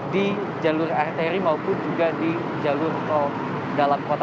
di jalur arteri maupun juga di jalur tol dalam kota